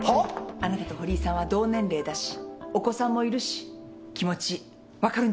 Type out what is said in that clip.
あなたと堀井さんは同年齢だしお子さんもいるし気持ち分かるんじゃないかしら。